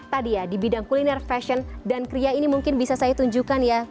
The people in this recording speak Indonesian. tadi ya di bidang kuliner fashion dan kria ini mungkin bisa saya tunjukkan ya